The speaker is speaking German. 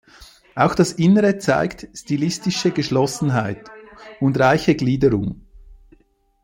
Auch das Innere zeigt stilistische Geschlossenheit und reiche Gliederung.